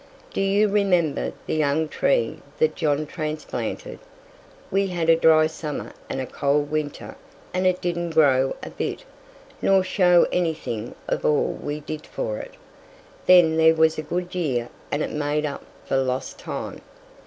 Do you remember the young tree that John transplanted? We had a dry summer and a cold winter and it didn't grow a bit, nor show anything of all we did for it; then there was a good year and it made up for lost time.